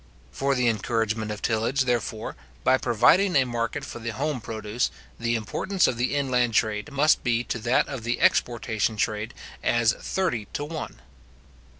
For the encouragement of tillage, therefore, by providing a market for the home produce, the importance of the inland trade must be to that of the exportation trade as thirty to one.